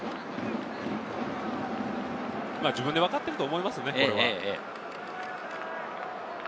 自分で分かっていると思いますね、これは。